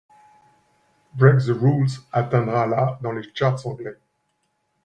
Break the Rules atteindra la dans les charts anglais.